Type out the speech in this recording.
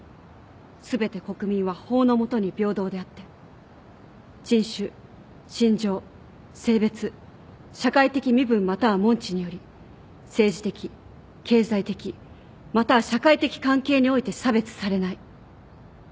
すべて国民は法の下に平等であって人種信条性別社会的身分または門地により政治的経済的または社会的関係において差別されない。